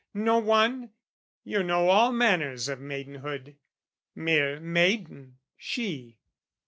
Know one, you know all Manners of maidenhood: mere maiden she.